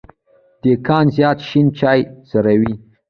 دیکان زیات شين چای څوروي.